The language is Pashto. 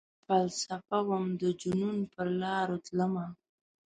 فلسفه وم ،دجنون پرلاروتلمه